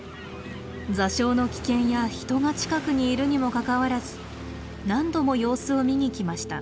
座礁の危険や人が近くにいるにもかかわらず何度も様子を見にきました。